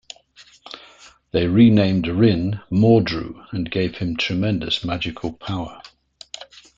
They renamed Wrynn, "Mordru" and gave him tremendous magical power.